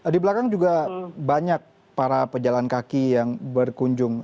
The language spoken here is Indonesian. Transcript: di belakang juga banyak para pejalan kaki yang berkunjung